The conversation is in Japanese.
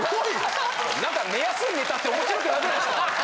なんか寝やすいネタって面白くなくないですか。